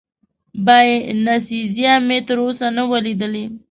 باینسیزا مې تراوسه نه وه لیدلې.